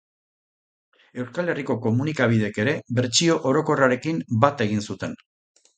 Euskal Herriko komunikabideek ere, bertsio orokorrarekin bat egin zuten.